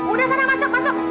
udah sana masuk masuk